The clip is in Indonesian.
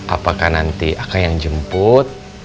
apakah nanti akan yang jemput